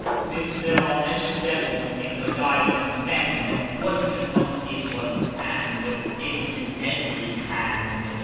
j ' Since there are many devils in the guise of men, I One should not give one's hand into every hand.'